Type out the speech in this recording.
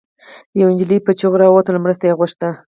يوه انجلۍ په چيغو راووتله او مرسته يې غوښته